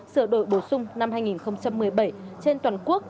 sửa đổi bổ sung năm hai nghìn một mươi bảy trên toàn quốc